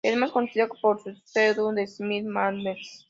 Es más conocida por su pseudónimo de Miss Manners.